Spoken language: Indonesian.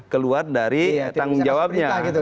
keluar dari tanggung jawabnya